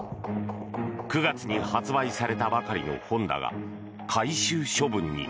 ９月に発売されたばかりの本だが回収処分に。